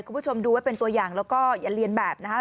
คุณผู้ชมดูไว้เป็นตัวอย่างแล้วก็อย่าเรียนแบบนะคะ